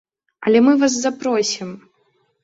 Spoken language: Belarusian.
Але мы вас запросім!